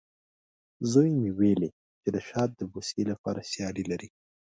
زوی مې وویلې، چې د شات د بوسې لپاره سیالي لري.